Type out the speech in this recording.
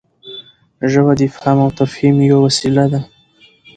ژبه د افهام او تفهیم یوه وسیله ده.